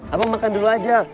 abang makan dulu aja